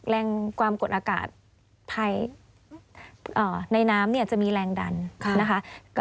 แรงความกดอากาศภายในน้ำจะมีแรงดันนะคะ